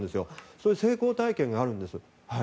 そういう成功体験があるんです。